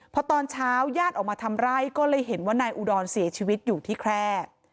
พอตอนเช้าญาติออกมาทำไร่ก็เลยเห็นว่านายอุดรเสียชีวิตอยู่ที่แคร่